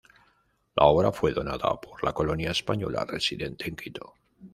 La obra fue donada por la colonia española residente en Quito.